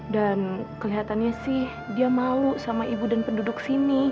dan kelihatannya sih dia malu sama ibu dan penduduk sini